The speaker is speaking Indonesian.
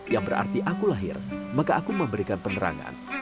yang berarti aku lahir maka aku memberikan penerangan